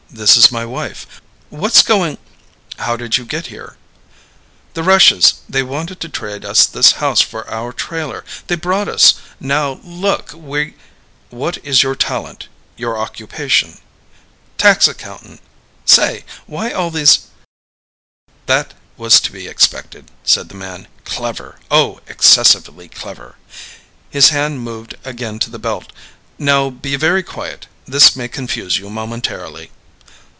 This is my wife. What's going " "How did you get here?" "The Rushes they wanted to trade us this house for our trailer. They brought us. Now look, we " "What is your talent your occupation?" "Tax accountant. Say! Why all these " "That was to be expected," said the man. "Clever! Oh, excessively clever!" His hand moved again to the belt. "Now be very quiet. This may confuse you momentarily."